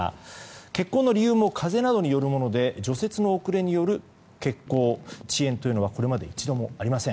欠航の理由も風などによるもので除雪の遅れによる欠航・遅延というのはこれまで１度もありません。